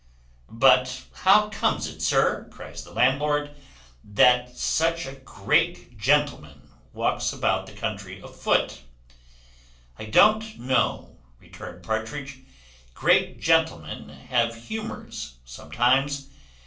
"But how comes it, sir," cries the landlord, "that such a great gentleman walks about the country afoot?" "I don't know," returned Partridge; "great gentlemen have humours sometimes.